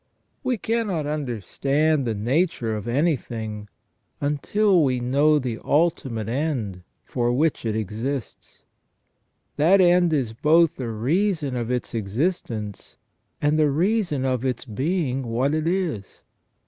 We cannot understand the nature of anything until we know the ultimate end for which it exists ; that end is both the reason of its existence and the reason of its being what it is.